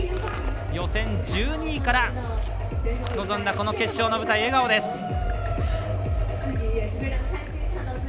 予選１２位から臨んだこの決勝の舞台、笑顔です。